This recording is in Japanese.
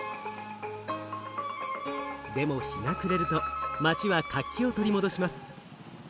でも日が暮れると街は活気を取り戻します。